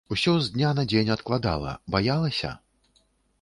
Усё з дня на дзень адкладала, баялася?